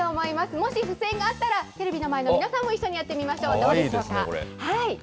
もしふせんがあったらテレビの前の皆さんも一緒にやってみましょかわいいですね、これ。